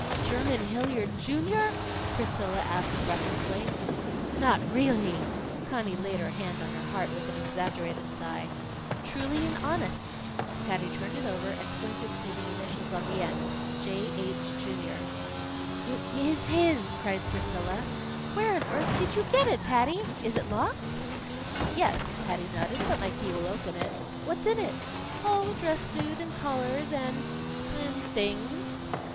"Jermyn Hilliard, Junior?" Priscilla asked breathlessly. "Not really?" Conny laid her hand on her heart with an exaggerated sigh. "Truly and honest!" Patty turned it over and pointed to the initials on the end. "J. H., Jr." "It is his!" cried Priscilla. "Where on earth did you get it, Patty?" "Is it locked?" "Yes," Patty nodded, "but my key will open it." "What's in it?" "Oh, a dress suit, and collars, and and things."